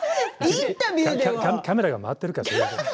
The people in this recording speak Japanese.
カメラが回っているから。